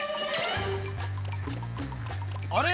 あれ？